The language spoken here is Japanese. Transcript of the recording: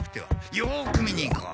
よく見に行こう。